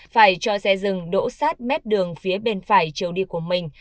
phải cho xe dừng đỗ sát mét đường phía bên phải chiều đi của mình